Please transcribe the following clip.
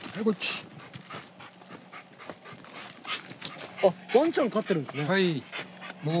ワンちゃん飼ってるんですね。